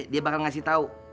dia bakal ngasih tau